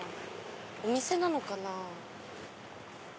お店なのかな？